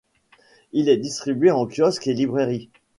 Il est distribué en kiosques et librairies.